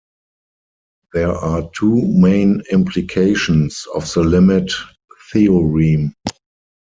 There are two main implications of the limit theorem.